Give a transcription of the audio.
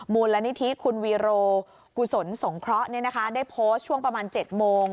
มูลนิธิคุณวีโรกุศลสงเคราะห์ได้โพสต์ช่วงประมาณ๗โมง